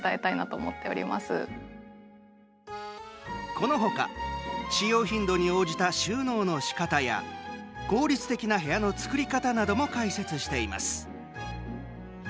このほか使用頻度に応じた収納のしかたや効率的な部屋の作り方なども解説しています。